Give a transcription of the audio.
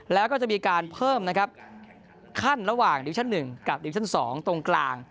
แล้วก็จะมีการเพิ่มขั้นระหว่างดิวิชั่น๑๒ตรงกลาง